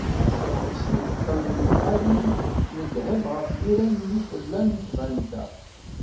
Ad txedmeḍ snat n txelxalin n ddheb ɣef yiran n ufella n tbanta.